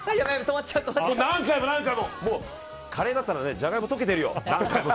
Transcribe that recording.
何回も何回もカレーだったらジャガイモ溶けてるよ！